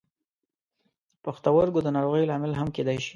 د پښتورګو د ناروغیو لامل هم کیدای شي.